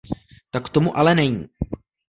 Tak tomu ale není.